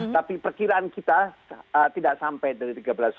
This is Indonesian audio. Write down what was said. tapi perkiraan kita tidak sampai dari tiga belas